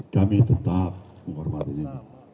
kami tetap menghormati ini